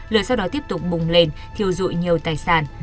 lửa sau đó tiếp tục bùng lên thiêu dụi nhiều tài sản